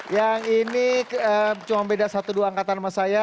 yang ini cuma beda satu dua angkatan sama saya